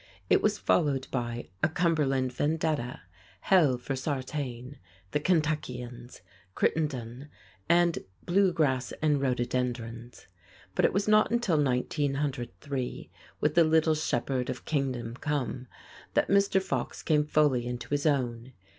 It was followed by "A Cumberland Vendetta," "Hell for Sartain," "The Kentuckians," "Crittendon," and "Blue Grass and Rhododendrons." But it was not until 1903, with "The Little Shepherd of Kingdom Come," that Mr. Fox came fully into his own.